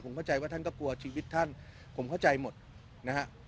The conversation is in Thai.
ผมเข้าใจว่าท่านก็กลัวชีวิตท่านผมเข้าใจหมดนะฮะ